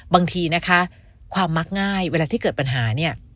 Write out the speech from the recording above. บางทีนะคะความมักง่ายเวลาที่เกิดปัญหาเนี่ย